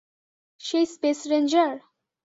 সেই space ranger?